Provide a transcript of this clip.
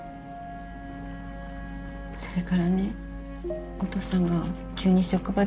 それからねお父さんが急に職場で倒れたの。